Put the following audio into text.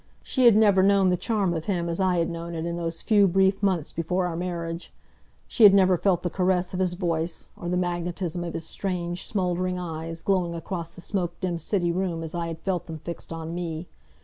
She had never known the charm of him as I had known it in those few brief months before our marriage. She had never felt the caress of his voice, or the magnetism of his strange, smoldering eyes glowing across the smoke dimmed city room as I had felt them fixed on me.